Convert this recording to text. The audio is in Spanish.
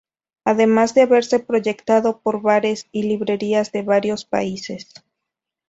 Además de haberse proyectado por bares y librerías de varios países.